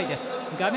画面